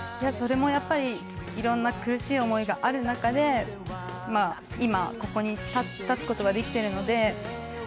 それもいろんな苦しい思いがある中で今、ここに立つことができているので。